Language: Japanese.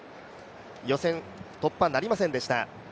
予選突破なりませんでした。